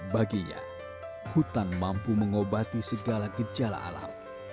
baginya hutan mampu mengobati segala gejala alam